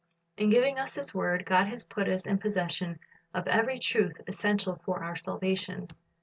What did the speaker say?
In giving us His word, God has put us in possession of every truth essential for our salvation.